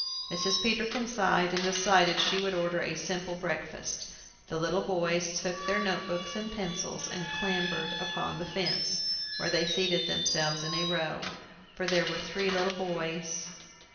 Mrs. Peterkin sighed, and decided she would order a simple breakfast. The little boys took their note books and pencils, and clambered upon the fence, where they seated themselves in a row. For there were three little boys.